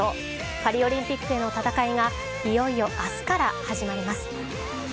パリオリンピックへの戦いがいよいよ、明日から始まります。